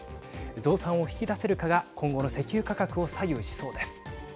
増産を引き出せるかが今後の石油価格を左右しそうです。